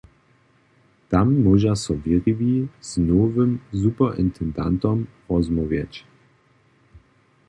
Tam móža so wěriwi z nowym superintendentom rozmołwjeć.